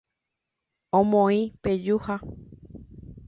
Omoĩ pejuha